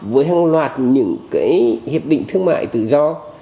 với hàng loạt những cái hiệp định thương mại tự do